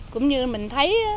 cũng như mình thấy